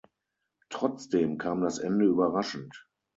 Trotzdem kam das Ende überraschend.